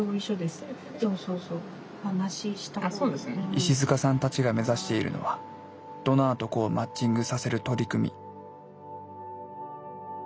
石塚さんたちが目指しているのはドナーと子をマッチングさせる取り組み。